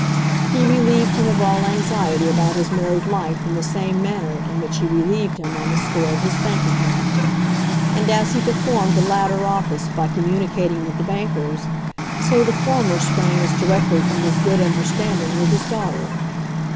He relieved him of all anxiety about his married life in the same manner in which he relieved him on the score of his bank account. And as he performed the latter office by communicating with the bankers, so the former sprang as directly from his good understanding with his daughter.